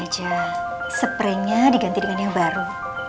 orang orang yang kerennya diganti dengan yang baru